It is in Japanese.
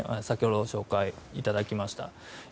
先ほどご紹介いただきました。